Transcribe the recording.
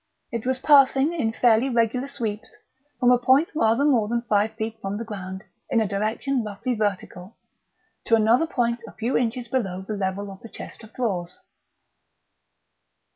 It was passing, in fairly regular sweeps, from a point rather more than five feet from the ground, in a direction roughly vertical, to another point a few inches below the level of the chest of drawers.